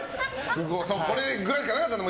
これぐらいしかなかったんだ